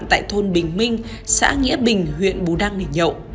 tại thôn bình minh xã nghĩa bình huyện bù đăng để nhậu